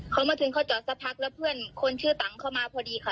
เขามาถึงเขาจอดสักพักแล้วเพื่อนคนชื่อตังค์เข้ามาพอดีค่ะ